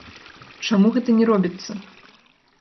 Чаму гэта не робіцца?